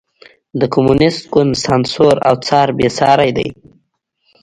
د کمونېست ګوند سانسور او څار بېساری دی.